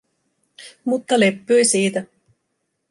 Mutta leppyi siitä.